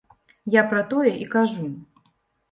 Я пра тое і кажу.